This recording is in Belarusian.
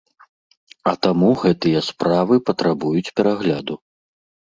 А таму гэтыя справы патрабуюць перагляду.